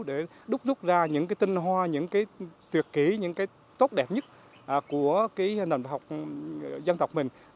để đúc rút ra những cái tinh hoa những cái tuyệt kỷ những cái tốt đẹp nhất của cái nền văn học dân tộc mình